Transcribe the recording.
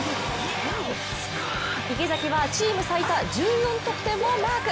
池崎はチーム最多１４得点をマーク。